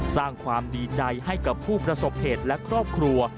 สร้างความดีใจให้กับผู้ประสบเหตุและครอบครัว